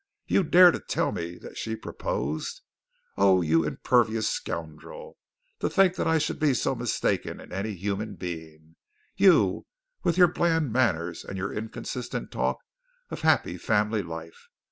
You dare to tell me that she proposed! Oh, you impervious scoundrel! To think I could be so mistaken in any human being. You, with your bland manners and your inconsistent talk of happy family life.